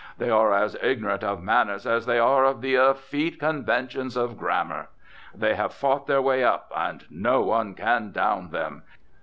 They are as ignorant of manners as they are of the effete conventions of grammar. They have fought their way up, and no one can down them.